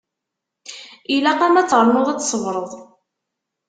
Ilaq-am ad ternuḍ ad tṣebreḍ.